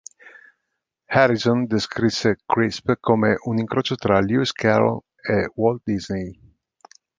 Harrison descrisse Crisp come un incrocio tra Lewis Carroll e Walt Disney.